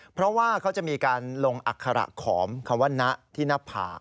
เพราะว่าเขาจะมีการลงอัคระขอมคำว่านะที่หน้าผาก